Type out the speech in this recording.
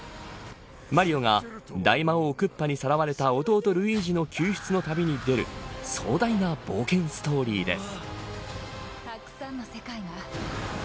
マリオが大魔王クッパにさらわれた弟、ルイージの救出の旅に出る壮大な冒険ストーリーです。